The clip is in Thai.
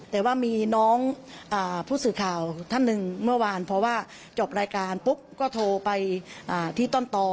แต่ว่ามีน้องผู้สื่อข่าวท่านหนึ่งเมื่อวานเพราะว่าจบรายการปุ๊บก็โทรไปที่ต้นต่อ